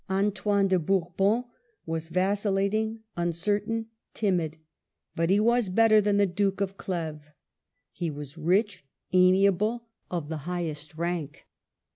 Antoine de Bourbon was vacillating, uncertain, timid; but he was better than the Duke of Cleves. He was rich, amiable, of the highest rank.